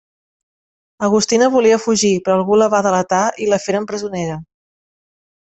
Agustina volia fugir, però algú la va delatar i la feren presonera.